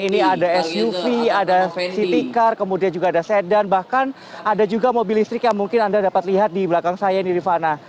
ini ada suv ada city car kemudian juga ada sedan bahkan ada juga mobil listrik yang mungkin anda dapat lihat di belakang saya ini rifana